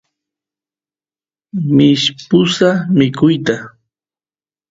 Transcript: mishpusaq mikuyta